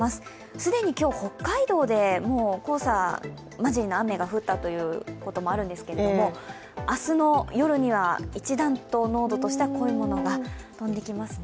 既に北海道でもう、黄砂混じりの雨が降ったということもあるんですけれども明日の夜には一段と濃度としては濃いものが飛んできますね。